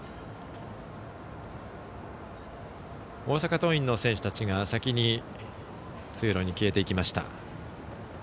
大阪桐蔭の選手たちが先に通路に消えていきました。